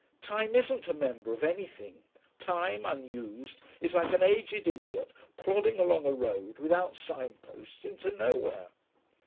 Time isn't a mender of anything: time, unused, is like an aged idiot plodding along a road without signposts into nowhere....